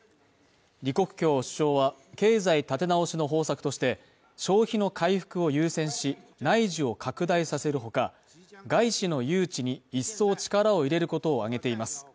李克強首相は経済立て直しの方策として消費の回復を優先し、内需を拡大させるほか、外資の誘致に一層力を入れることを挙げています。